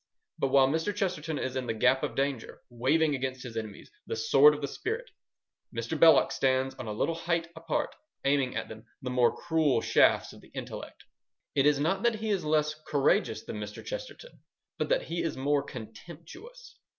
But while Mr. Chesterton is in the gap of danger, waving against his enemies the sword of the spirit, Mr. Belloc stands on a little height apart, aiming at them the more cruel shafts of the intellect. It is not that he is less courageous than Mr. Chesterton, but that he is more contemptuous.